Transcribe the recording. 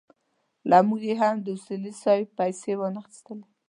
له موږ یې هم د اصولي صیب پېسې وانخيستلې.